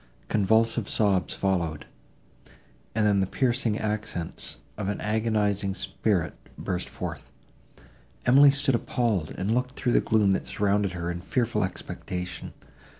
Convulsive sobs followed, and then the piercing accents of an agonizing spirit burst forth. Emily stood appalled, and looked through the gloom, that surrounded her, in fearful expectation.